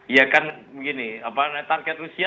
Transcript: ya kan begini target rusia